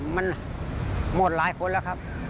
มันหมดหลายคนแล้วครับ